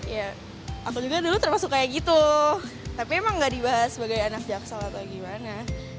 ya aku juga dulu termasuk kayak gitu tapi emang gak dibahas sebagai anak jaksel atau gimana